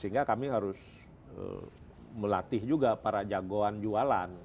sehingga kami harus melatih juga para jagoan jualan